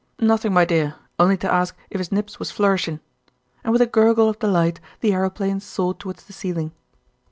"Nothing, my dear, only to ask if his Nibs was flourishin'," and with a gurgle of delight the aeroplane soared towards the ceiling.